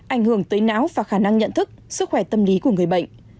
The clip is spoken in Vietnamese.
ảnh hưởng tới não và khả năng nhận thức sức khỏe tâm lý của người bệnh